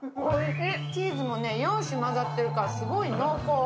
チーズも４種混ざってるからすごい濃厚。